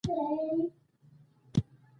وزلوبه زموږ د هېواد یوه سیمه ییزه لوبه ده.